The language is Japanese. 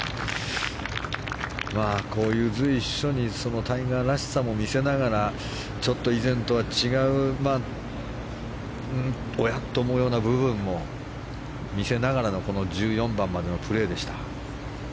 こういう随所にタイガーらしさも見せながらちょっと以前とは違うおや？と思うような部分も見せながらのこの１４番までのプレーでした。